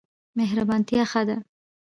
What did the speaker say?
مهربانتیا ښه ده.